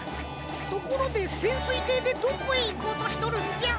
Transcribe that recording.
ところでせんすいていでどこへいこうとしとるんじゃ？